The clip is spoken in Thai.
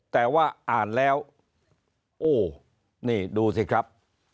แต่ว่าอ่านแล้วโอ้นี่ดูสิครับ